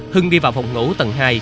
hưng đi vào phòng ngủ tầng hai